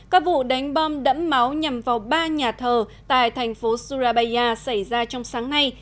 các vụ đánh bom đẫm máu nhằm vào ba nhà thờ tại thành phố surabaya xảy ra trong sáng nay